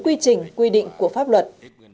quy trình quy định của pháp luật